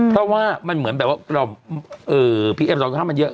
เพราะว่ามันเหมือนแบบแบบว่า